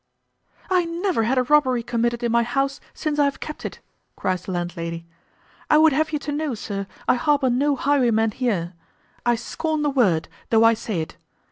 "I never had a robbery committed in my house since I have kept it," cries the landlady; "I would have you to know, sir, I harbour no highwaymen here; I scorn the word, thof I say it.